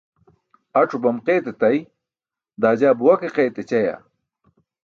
Ac̣o bam qayt etay, daa jaa buwa ke qayt ecayaa?